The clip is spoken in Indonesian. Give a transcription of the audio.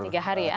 tiga hari ya